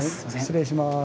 失礼します。